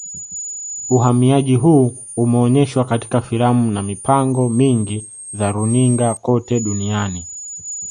Uhamiaji huu umeonyeshwa katika filamu na mipango mingi za runinga kote duniani